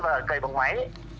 và cầy bằng máy